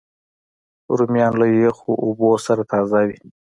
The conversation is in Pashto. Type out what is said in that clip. رومیان له یخو اوبو سره تازه وي